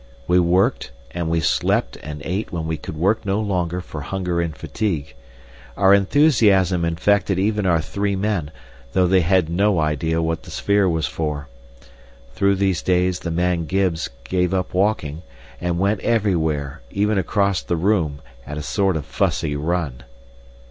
We worked, and we slept and ate when we could work no longer for hunger and fatigue. Our enthusiasm infected even our three men, though they had no idea what the sphere was for. Through those days the man Gibbs gave up walking, and went everywhere, even across the room, at a sort of fussy run.